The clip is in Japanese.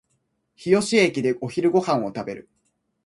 日吉駅でお昼ご飯を食べる